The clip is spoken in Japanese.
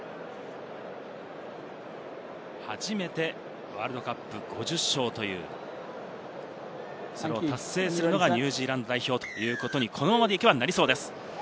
初めてワールドカップ５０勝というそれを達成するのがニュージーランド代表というのが、このままでいけばなりそうです。